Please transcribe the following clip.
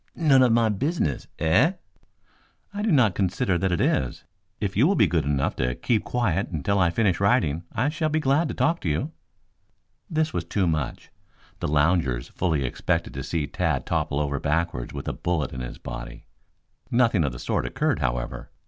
"None of my business, eh?" "I do not consider that it is. If you will be good enough to keep quiet until I finish writing, I shall be glad to talk to you." This was too much. The loungers fully expected to see Tad topple over backwards with a bullet in his body. Nothing of the sort occurred, however.